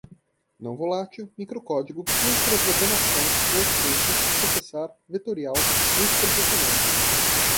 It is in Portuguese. não-volátil, microcódigo, microprogramação, workstations, processar, vetorial, multiprocessamento